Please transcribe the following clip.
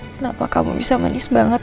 kenapa kamu bisa manis banget